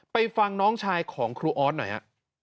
ไปฟังน้องชายของครูออสหน่อยฮะ